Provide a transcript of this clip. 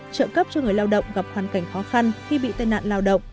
trợ cấp cho người lao động gặp hoàn cảnh khó khăn khi bị tai nạn lao động